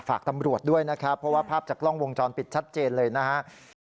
ฝากตำรวจด้วยนะครับเพราะว่าภาพจากกล้องวงจรปิดชัดเจนเลยนะครับ